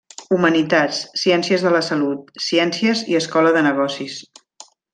Humanitats, Ciències de la Salut, Ciències i Escola de Negocis.